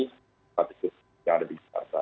hepatitis yang ada di jakarta